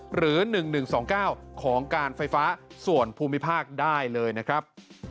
หรือ๑๑๒๙ของการไฟฟ้าส่วนภูมิภาคได้เลยนะครับ